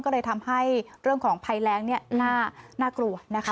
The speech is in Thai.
ก็เลยทำให้เรื่องของภัยแรงเนี่ยน่ากลัวนะคะ